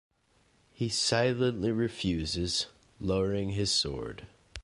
He silently refuses, lowering his sword.